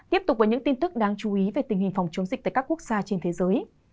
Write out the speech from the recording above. tiếp tục với những tin tức đáng chú ý về tình hình phòng chống dịch tại các quốc gia trên thế giới